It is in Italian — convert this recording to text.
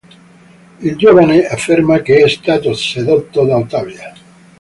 Il giovane afferma che è stato sedotto da Ottavia.